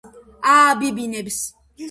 ააბიბინებს